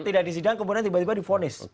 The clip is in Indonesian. tidak disidang kemudian tiba tiba difonis